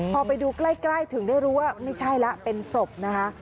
พอไปดูใกล้ถึงได้รู้ว่าไม่ใช่แล้วเป็นศพนะคะ